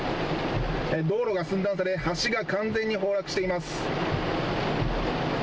道路が寸断され橋が完全に崩落しています。